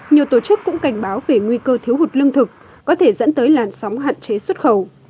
nhiều tổ chức cũng cảnh báo về nguy cơ thiếu hụt lương thực có thể dẫn tới làn sóng hạn chế xuất khẩu